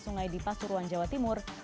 sungai di pasuruan jawa timur